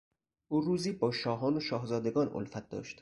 او روزی با شاهان و شاهزادگان الفت داشت.